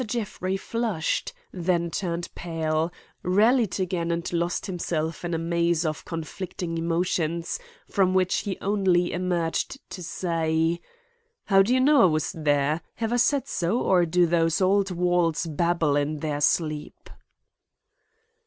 Jeffrey flushed, then turned pale, rallied and again lost himself in a maze of conflicting emotions from which he only emerged to say: "How do you know that I was there? Have I said so; or do those old walls babble in their sleep?"